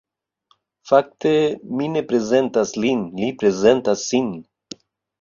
Fakte, mi ne prezentas lin, li prezentas sin.